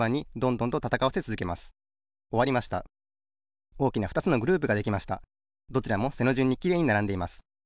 どちらも背のじゅんにきれいにならんでいます。